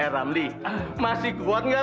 ramli masih kuat enggak lo